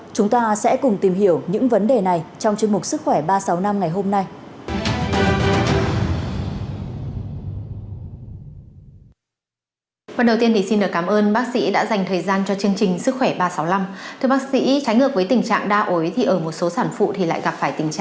chúng ta sẽ cùng tìm hiểu những vấn đề này trong chương mục sức khỏe ba sáu năm ngày hôm nay